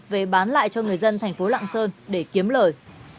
về bán lại cho người dân thành phố lạng sơn để kiếm lời